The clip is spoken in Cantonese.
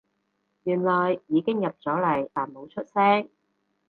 原來已經入咗嚟但冇出聲